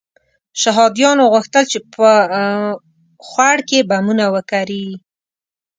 شهادیانو غوښتل چې په خوړ کې بمونه وکري.